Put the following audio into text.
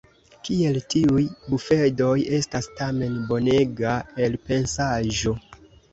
Kiel tiuj bufedoj estas tamen bonega elpensaĵo!